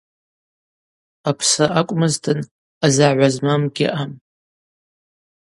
Апсра акӏвмызтын ъазагӏва змам гьаъам.